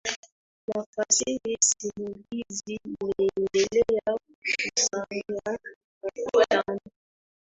na fasihi simulizi Imeendelea kukusanya na kuchambua